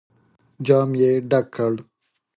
جام يې ډک کړ.